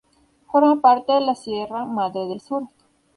Forma parte de la Sierra Madre del Sur.